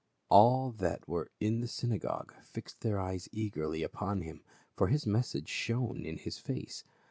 All that were in the synagogue fixed their eyes eagerly upon him, for his message shone in his face.